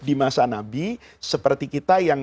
di masa nabi seperti kita yang